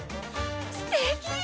すてき！